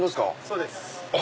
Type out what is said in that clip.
そうです。